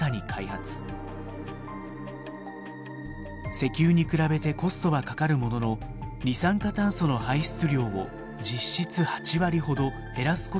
石油に比べてコストはかかるものの二酸化炭素の排出量を実質８割ほど減らすことができるといいます。